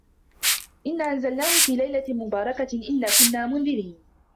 إِنّا أَنزَلناهُ في لَيلَةٍ مُبارَكَةٍ إِنّا كُنّا مُنذِرينَ